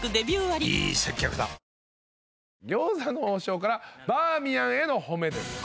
餃子の王将からバーミヤンへの褒めです